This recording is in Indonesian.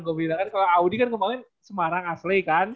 berbeda kan kalau audi kan kemarin semarang asli kan